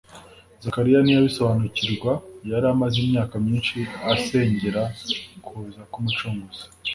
Zakariya ntiyabisobanukirwa. Yari amaze imyaka myinshi asengera kuza k’Umucunguzi